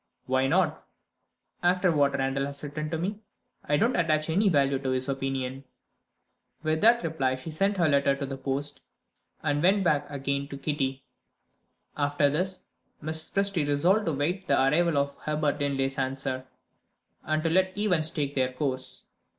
"Why not?" "After what Randal has written to me, I don't attach any value to his opinion." With that reply she sent her letter to the post, and went back again to Kitty. After this, Mrs. Presty resolved to wait the arrival of Herbert Linley's answer, and to let events take their course.